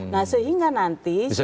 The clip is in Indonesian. nah sehingga nanti siapapun